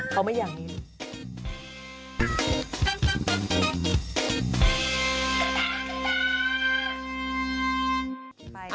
เขาไม่อยากมีเลย